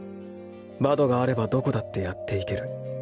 バドがあればどこだってやっていける。